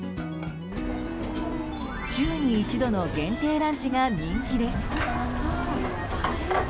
週に１度の限定ランチが人気です。